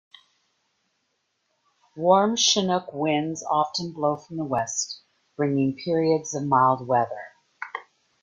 Warm chinook winds often blow from the west, bringing periods of mild weather.